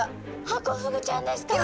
ハコフグちゃんですか？